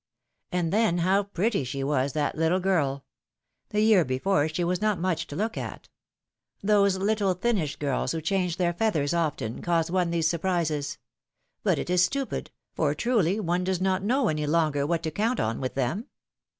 And then how pretty she was, that little girl! The year before she was not much to look at. Those little thinnish girls who change their feathers often cause one these surprises; but it is stupid, for truly one does not know any longer what to count on with them